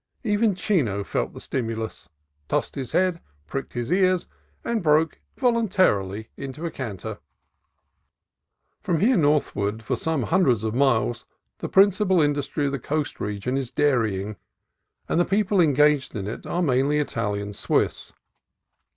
Even Chino felt the stimulus, tossed his head, pricked his ears, and broke voluntarily into a canter. From here northward for some hundreds of miles the principal industry of the coast region is dairying, and the people engaged in it are mainly Italian Swiss.